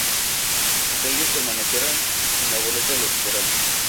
Aunque ellos, permanecieron en la boleta electoral.